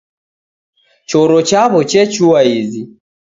Choro chaw'o chechua izi.